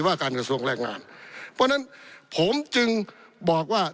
ว่าการกระทรวงแรงงานเพราะฉะนั้นผมจึงบอกว่า